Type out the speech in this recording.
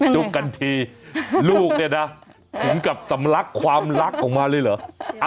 จุ๊บกันทีลูกเนี่ยนะถึงกับสำลักความรักออกมาเลยเหรอ